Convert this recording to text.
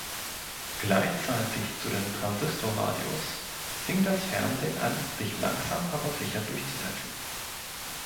Gleichzeitig zu den Transistorradios fing das Fernsehen an, sich langsam aber sicher durchzusetzen.